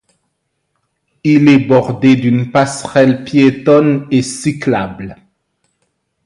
Il est bordé d'une passerelle piétonne et cyclable.